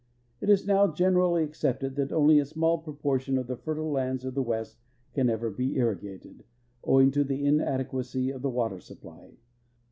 It is now generally accepted that only a small propurtion of the fertile lands of the West can ever he irrigated, owing to the inadequacy of the water supply.